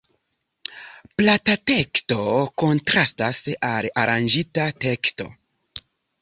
Plata teksto kontrastas al aranĝita teksto.